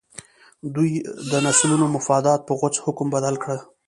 د دوی د نسلونو مفادات په غوڅ حکم بدل کړي.